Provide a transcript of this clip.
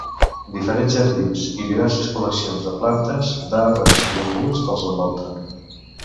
Diferents jardins i diverses col·leccions de plantes, d'arbres i arbusts els envolten.